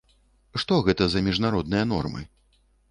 Што гэта за міжнародныя нормы?